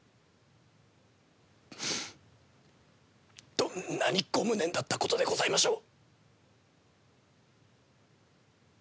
どんなにご無念だったことでございましょう。